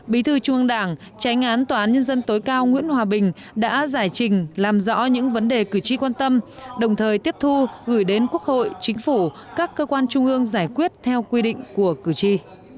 bí thư trung ương đảng tránh án tòa án nhân dân tối cao nguyễn hòa bình đã giải trình làm rõ những vấn đề cử tri quan tâm đồng thời tiếp thu gửi đến quốc hội chính phủ các cơ quan trung ương giải quyết theo quy định của cử tri